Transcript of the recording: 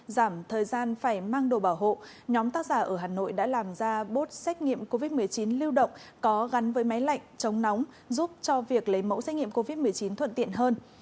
giảm thời gian phải mang đồ bảo hộ nhóm tác giả ở hà nội đã làm ra bốt xét nghiệm covid một mươi chín lưu động có gắn với máy lạnh chống nóng giúp cho việc lấy mẫu xét nghiệm covid một mươi chín thuận tiện hơn